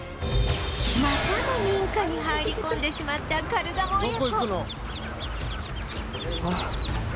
またも民家に入り込んでしまったカルガモ親子